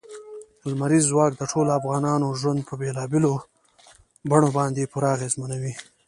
لمریز ځواک د ټولو افغانانو ژوند په بېلابېلو بڼو باندې پوره اغېزمنوي.